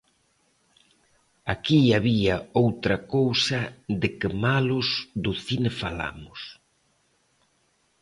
Aquí había outra cousa De que malos do cine falamos?